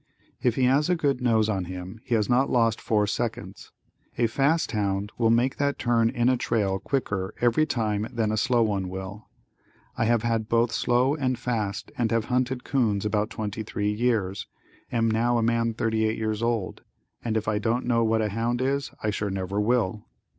If he has a good nose on him he has not lost four seconds. A fast hound will make that turn in a trail quicker every time than a slow one will. I have had both slow and fast and have hunted 'coons about 23 years. Am now a man 38 years old, and if I don't know what a hound is I sure never will.